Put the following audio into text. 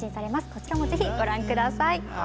こちらもぜひご覧下さい。